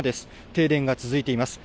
停電が続いています。